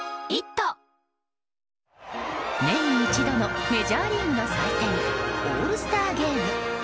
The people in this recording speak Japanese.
年に一度のメジャーリーグの祭典オールスターゲーム。